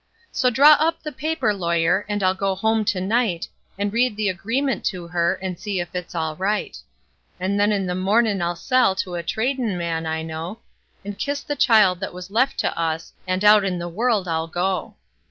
So draw up the paper, lawyer, and I'll go home to night, And read the agreement to her, and see if it's all right; And then, in the mornin', I'll sell to a tradin' man I know, And kiss the child that was left to us, and out in the world I'll go.